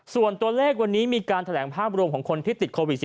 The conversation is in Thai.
ส่วนตัวเลขวันนี้มีการแถลงภาพรวมของคนที่ติดโควิด๑๙